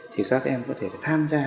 thì các em có thể tham gia